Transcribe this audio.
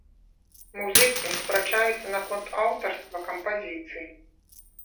Музыкі спрачаюцца наконт аўтарства кампазіцый.